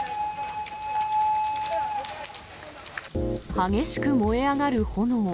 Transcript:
激しく燃え上がる炎。